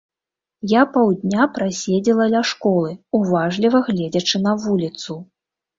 Я паўдня праседзела ля школы, уважліва гледзячы на вуліцу.